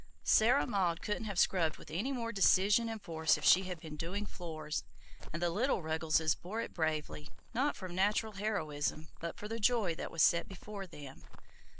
Sarah Maud couldn't have scrubbed with any more decision and force if she had been doing floors, and the little Ruggleses bore it bravely, not from natural heroism, but for the joy that was set before them.